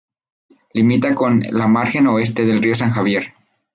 Limita con la margen oeste del río San Javier.